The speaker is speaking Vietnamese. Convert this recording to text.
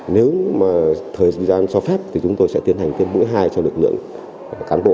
nếu mà thời gian cho phép thì chúng tôi sẽ tiến hành tiêm mũi hai cho lực lượng cán bộ